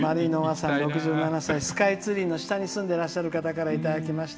８７歳スカイツリーの下に住んでらっしゃる方からいただきました。